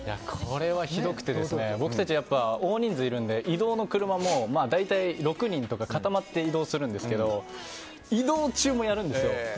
これはひどくて僕たち、大人数いるので移動の車も大体６人とか固まって移動するんですけど移動中もやるんですよ。